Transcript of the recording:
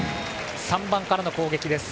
３番からの攻撃です。